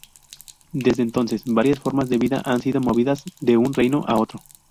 Desde entonces, varias formas de vida han sido movidas de un reino a otro.